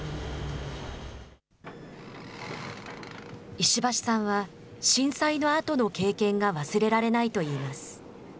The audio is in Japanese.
石橋さんは、震災のあとの経験が忘れられないといいます。